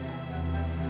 ya pak adrian